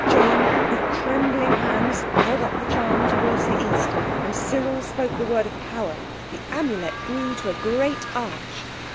Jane with trembling hands held up the charm towards the East, and Cyril spoke the word of power. The Amulet grew to a great arch.